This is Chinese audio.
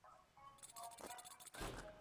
该地层以紫红色泥岩为主。